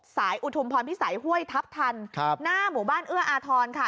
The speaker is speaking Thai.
อุทุมพรพิสัยห้วยทัพทันหน้าหมู่บ้านเอื้ออาทรค่ะ